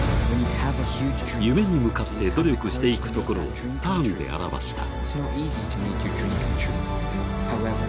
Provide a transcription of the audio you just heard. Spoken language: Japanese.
夢に向かって努力していくところをターンで表した。